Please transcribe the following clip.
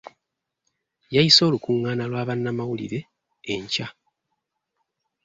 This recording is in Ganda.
Yayise olukungaana lwa bannamawulire enkya.